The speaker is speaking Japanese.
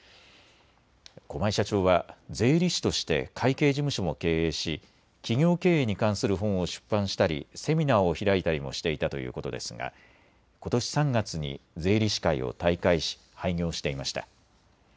駒井社長は税理士として会計事務所も経営し企業経営に関する本を出版したりセミナーを開いたりもしていたということですがことし３月に税理士会を退会し廃業していました。